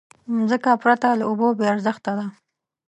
مځکه پرته له اوبو بېارزښته ده.